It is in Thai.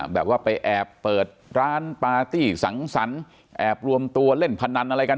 แบบว่าไปแอบเปิดร้านปาร์ตี้สังสรรค์แอบรวมตัวเล่นพนันอะไรกัน